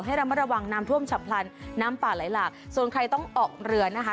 ให้ระมัดระวังน้ำท่วมฉับพลันน้ำป่าไหลหลากส่วนใครต้องออกเรือนะคะ